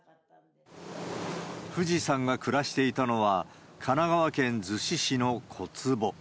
フジさんが暮らしていたのは、神奈川県逗子市の小坪。